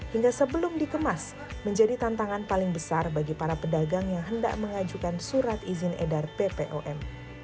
hingga sebelum dikemas menjadi tantangan paling besar bagi para pedagang yang hendak mengajukan surat izin edar bpom